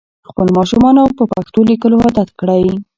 خپل ماشومان په پښتو لیکلو عادت کړئ.